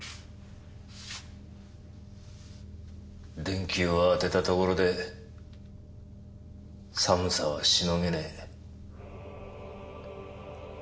電球を当てたところで寒さはしのげねえ。